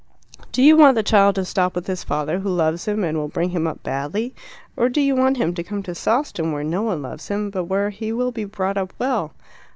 Do you want the child to stop with his father, who loves him and will bring him up badly, or do you want him to come to Sawston, where no one loves him, but where he will be brought up well?